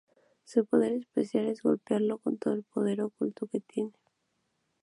Su poder especial es golpearlo con todo el poder oculto que tiene.